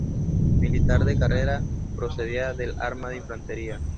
Militar de carrera, procedía del arma de infantería.